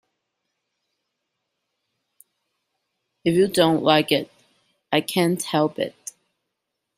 If you don't like it, I can't help it.